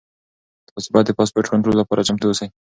تاسو باید د پاسپورټ کنټرول لپاره چمتو اوسئ.